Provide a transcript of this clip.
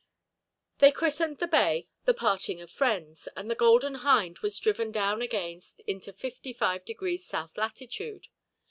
They christened the bay "The Parting of Friends," and the Golden Hind was driven down again into 55 degrees south latitude.